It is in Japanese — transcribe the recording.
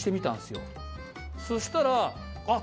よそしたらあっ